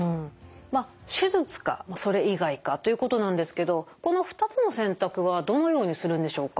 まあ手術かそれ以外かということなんですけどこの２つの選択はどのようにするんでしょうか？